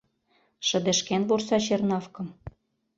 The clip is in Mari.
Шыдешкен вурса Чернавкым